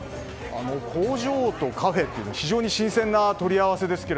工場とカフェというのは非常に新鮮な取り合わせですが